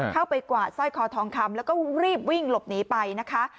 กวาดสร้อยคอทองคำแล้วก็รีบวิ่งหลบหนีไปนะคะ